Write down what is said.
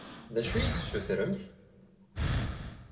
D acu i yi-d-tessutremt?